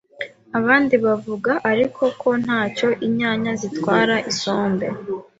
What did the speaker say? abandi bavuga ariko ko ntacyo inyanya zitwara isombe